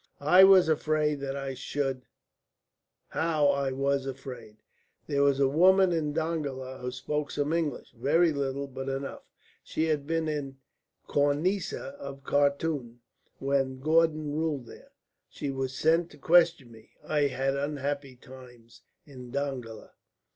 I was afraid that I should how I was afraid! There was a woman in Dongola who spoke some English very little, but enough. She had been in the 'Kauneesa' of Khartum when Gordon ruled there. She was sent to question me. I had unhappy times in Dongola."